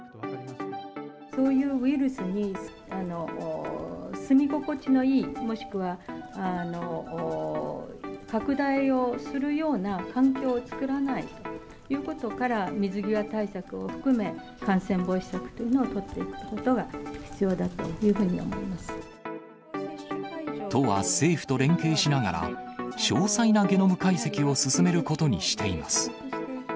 そういうウイルスに、住み心地のいい、もしくは、拡大をするような環境を作らないということから、水際対策を含め、感染防止策というのをとっていくことが必要だというふうに思いま都は政府と連携しながら、詳細なゲノム解析を進めることにしています。